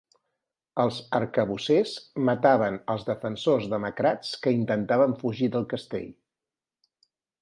Els arcabussers mataven els defensors demacrats que intentaven fugir del castell.